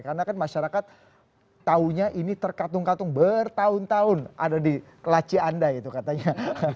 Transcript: karena kan masyarakat tahunya ini terkatung katung bertahun tahun ada di laci anda itu katanya